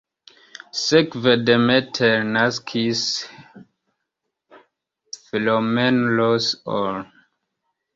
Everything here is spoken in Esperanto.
Sekve Demeter naskis Philomelos-on.